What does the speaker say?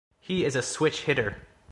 He is a switch-hitter.